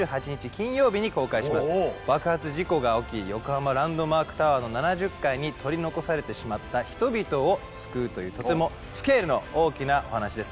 金曜日に公開します爆発事故が起き横浜ランドマークタワーの７０階に取り残されてしまった人々を救うというとてもスケールの大きなお話です